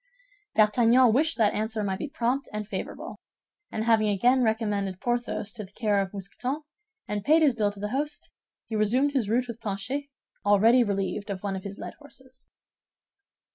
D'Artagnan wished that answer might be prompt and favorable; and having again recommended Porthos to the care of Mousqueton, and paid his bill to the host, he resumed his route with Planchet, already relieved of one of his led horses.